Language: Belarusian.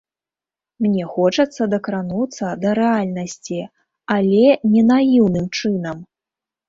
Мне хочацца дакрануцца да рэальнасці, але не наіўным чынам.